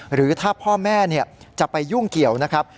หรือถ้าพ่อแม่จะไปยุ่งเกี่ยวนะครับ